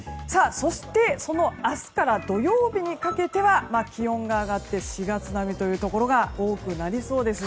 そして明日から土曜日にかけては気温が上がって４月並みというところが多くなりそうです。